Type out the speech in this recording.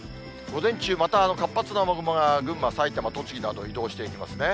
午前中、また活発な雨雲が、群馬、埼玉、栃木など、移動していきますね。